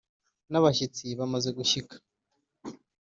n’abashyitsi bamaze gushyika